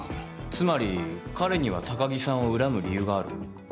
つまり彼には高城さんを恨む理由がある。